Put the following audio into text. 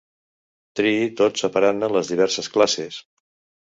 Triï tot separant-ne les diverses classes.